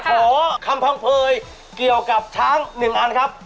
ขอคำพังเผยเกี่ยวกับช้าง๑อันครับ